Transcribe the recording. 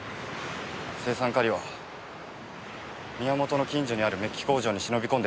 青酸カリは宮本の近所にあるメッキ工場に忍び込んで手に入れました。